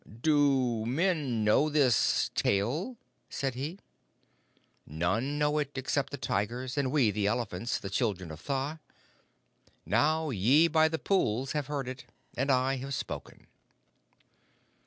"Do men know this tale?" said he. "None know it except the tigers, and we, the elephants the children of Tha. Now ye by the pools have heard it, and I have spoken."